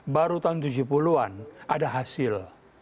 baru tahun tujuh puluh an ada hasil